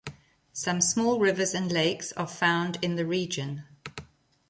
Some small rivers and lakes are found in the region.